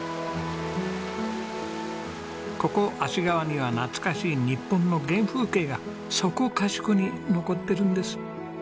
ここ芦川には懐かしい日本の原風景がそこかしこに残ってるんです。